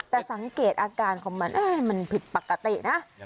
แต่สังเกตอาการของมันมันผิดปกตินะ